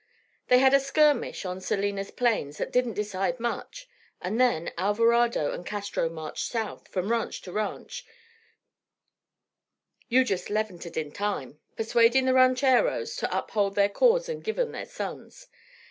They had a skirmish on Salinas plains that didn't decide much, and then Alvarado and Castro marched south, from ranch to ranch, you just levanted in time, persuadin' the rancheros to uphold their cause and give 'em their sons.